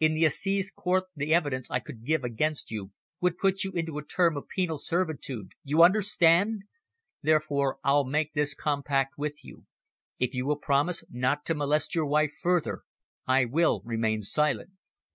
In the assize court the evidence I could give against you would put you into a term of penal servitude you understand? Therefore I'll make this compact with you; if you will promise not to molest your wife further, I will remain silent."